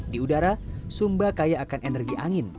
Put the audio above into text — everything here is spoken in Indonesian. di udara sumba kaya akan energi angin